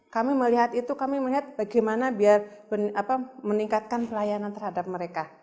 kami melihat itu kami melihat bagaimana biar meningkatkan pelayanan terhadap mereka